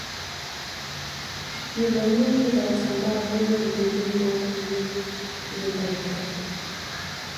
Nyumba nyingi za wasambaa huwa mviringo yenye vyumba vitatu